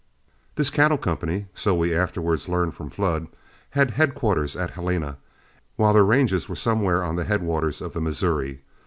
This cattle company, so we afterwards learned from Flood, had headquarters at Helena, while their ranges were somewhere on the headwaters of the Missouri.